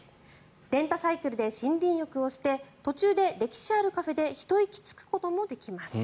レンタサイクルで森林浴をして途中で歴史あるカフェでひと息つくこともできます。